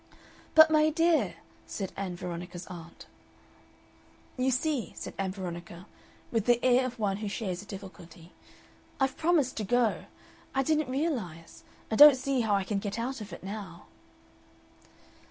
"But, my dear!" said Ann Veronica's aunt. "You see," said Ann Veronica, with the air of one who shares a difficulty, "I've promised to go. I didn't realize I don't see how I can get out of it now."